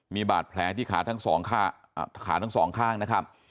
มีบาดแผลที่ขาดทั้ง๒ข้างนะครับ